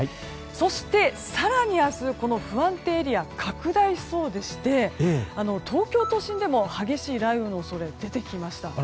そして更に明日、不安定エリアが拡大しそうでして東京都心でも激しい雷雨の恐れが出てきました。